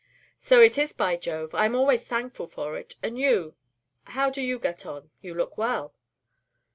"So it is, by Jove! I am always thankful for it. And you how do you get on? You look well."